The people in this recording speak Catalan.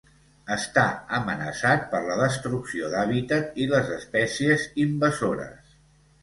Està amenaçat per la destrucció d'hàbitat i les espècies invasores.